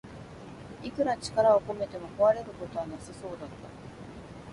いくら力を込めても壊れることはなさそうだった